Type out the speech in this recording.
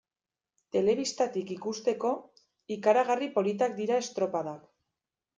Telebistatik ikusteko, ikaragarri politak dira estropadak.